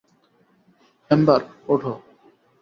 Ember, ওঠো।